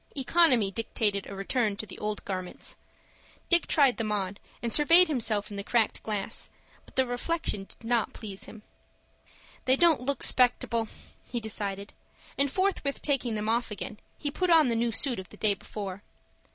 Economy dictated a return to the old garments. Dick tried them on, and surveyed himself in the cracked glass; but the reflection did not please him. "They don't look 'spectable," he decided; and, forthwith taking them off again, he put on the new suit of the day before.